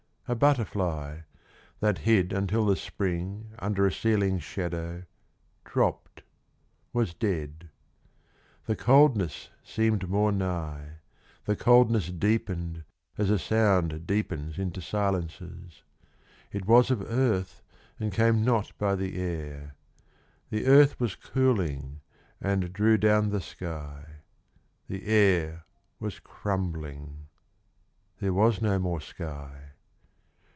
A butterfly, that hid until the Spring Under a ceiling's shadow, dropt, was dead. The coldness seemed more nigh, the coldness deepened As a sound deepens into silences; It was of earth and came not by the air; The earth was cooling and drew down the sky. The air was crumbling. There was no more sky.